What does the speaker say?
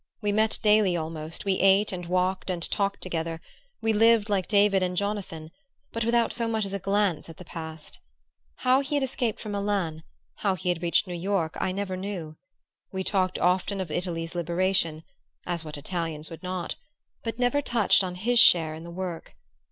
We met daily almost, we ate and walked and talked together, we lived like David and Jonathan but without so much as a glance at the past. How he had escaped from Milan how he had reached New York I never knew. We talked often of Italy's liberation as what Italians would not? but never touched on his share in the work.